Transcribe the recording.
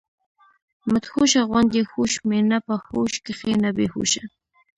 مدهوشه غوندي هوش مي نۀ پۀ هوش کښې نۀ بي هوشه